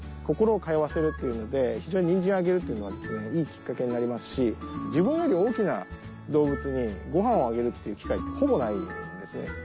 心を通わせるっていうのでニンジンをあげるっていうのはいいキッカケになりますし自分より大きな動物にごはんをあげるっていう機会ってほぼないんですね。